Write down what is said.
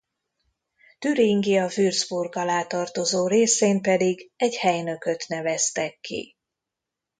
Türingia Würzburg alá tartozó részén pedig egy helynököt neveztek ki.